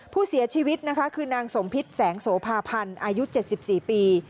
ผู้เสียชีวิตนะคะคือนางสมพิษแสงโสภาพันธ์อายุ๗๔ปี